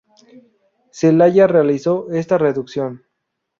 Zelaya realizó esta reducción.